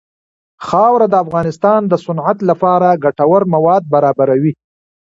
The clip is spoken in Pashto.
خاوره د افغانستان د صنعت لپاره ګټور مواد برابروي.